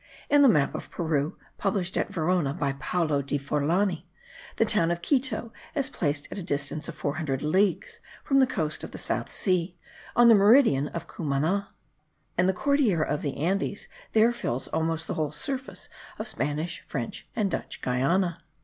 In the map of Peru, published at Verona by Paulo di Forlani, the town of Quito is placed at the distance of 400 leagues from the coast of the South Sea, on the meridian of Cumana; and the Cordillera of the Andes there fills almost the whole surface of Spanish, French, and Dutch Guiana.